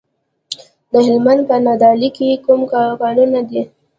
د هلمند په نادعلي کې کوم کانونه دي؟